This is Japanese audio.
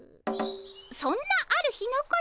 そんなある日のこと。